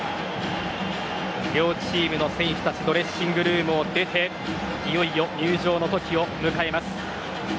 両チームの選手たちドレッシングルームを出ていよいよ入場の時を迎えます。